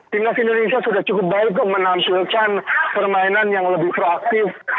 timnas indonesia sudah cukup baik kok menampilkan permainan yang lebih proaktif